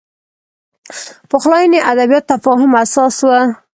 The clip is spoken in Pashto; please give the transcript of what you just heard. پخلاینې ادبیات تفاهم اساس و